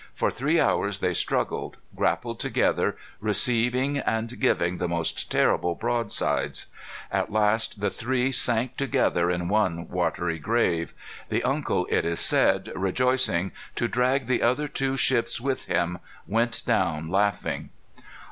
For three hours they struggled, grappled together, receiving and giving the most terrible broadsides. At last the three sank together in one watery grave. The uncle, it is said, rejoicing to drag the two other ships with him, went down laughing.